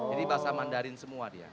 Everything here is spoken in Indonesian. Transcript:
ini bahasa mandarin semua dia